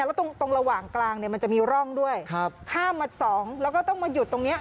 แล้วตรงระหว่างกลางมันจะมีร่องด้วยข้ามมาสองแล้วก็ต้องมาหยุดตรงนี้